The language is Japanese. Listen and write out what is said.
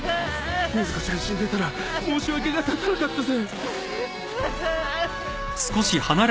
禰豆子ちゃん死んでたら申し訳が立たなかったぜ。